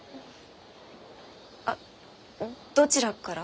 あどちらから？